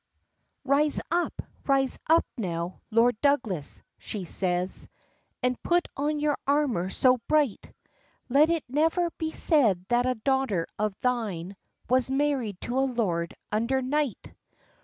"RISE up, rise up now, Lord Douglas," she says, "And put on your armour so bright; Let it never be said that a daughter of thine Was married to a lord under night.